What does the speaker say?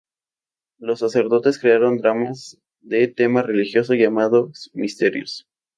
Los sacerdotes crearon dramas de tema religioso, llamados misterios.